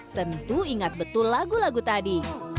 tentu ingat betul lagu lagu tadi